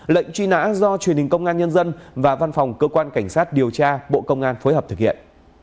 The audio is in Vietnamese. lệnh truy nã do truyền hình công an nhân dân và văn phòng cơ quan cảnh sát điều tra bộ công an phối hợp thực hiện